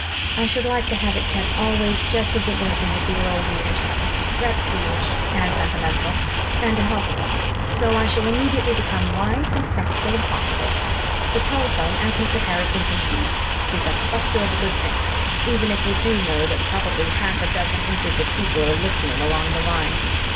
I should like to have it kept always just as it was in the dear old years. That's foolish and sentimental and impossible. So I shall immediately become wise and practical and possible. The telephone, as Mr. Harrison concedes, is 'a buster of a good thing' even if you do know that probably half a dozen interested people are listening along the line."